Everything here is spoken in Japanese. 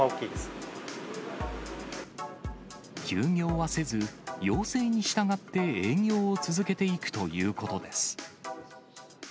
休業はせず、要請に従って営業を続けていくということです。